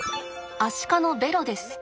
アシカのベロです。